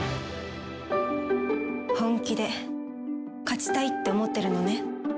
本気で勝ちたいって思ってるのね？